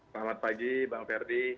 selamat pagi bang ferdi